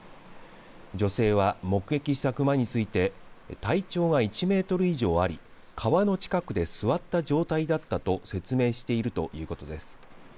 女性は目撃した熊について体長は１メートル以上あり川の近くで座った状態だったと説明しているということです。